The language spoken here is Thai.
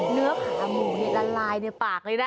เนื้อขาหมูนี่ละลายในปากเลยนะ